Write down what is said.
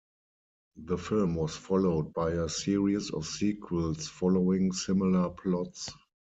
The film was followed by a series of sequels following similar plots.